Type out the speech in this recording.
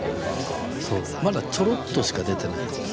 そうまだちょろっとしか出てないんです。